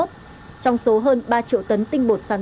trong số hơn ba triệu tấn tinh bột sắn